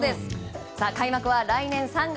開幕は来年３月。